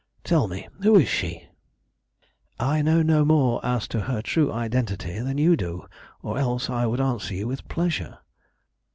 Tell me who is she?" "I know no more as to her true identity than you do, or else I would answer you with pleasure."